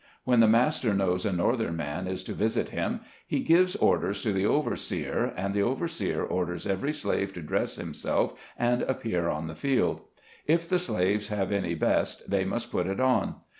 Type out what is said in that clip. When the master knows a northern man is to visit him, he gives orders to the overseer, and the overseer orders every slave to dress himself, and appear on the field. If the slaves have any best, they must put it on.